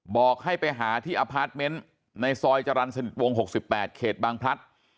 บอกให้ไปหาที่อพาร์ทเมนต์ในซอยจรรย์สนิทวง๖๘เขตบางพลัด